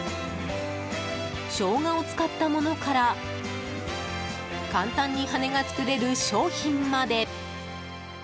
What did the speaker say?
ショウガを使ったものから簡単に羽根が作れる商品まで。